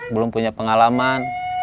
belum punya pengalaman